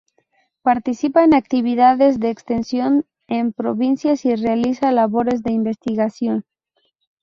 Participa en actividades de extensión en provincias y realiza labores de investigación.